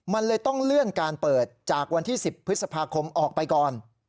มันเลยต้องเลื่อนการเปิดจากวันที่๑๐พฤษภาคมออกไปก่อน